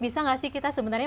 bisa nggak sih kita sebenarnya